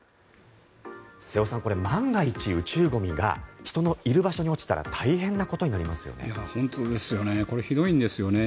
瀬尾さん、これ万が一、宇宙ゴミが人のいる場所に落ちたら大変なことになりますよね。